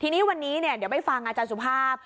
ทีนี้วันนี้เดี๋ยวไปฟังอาจารย์สุภาพ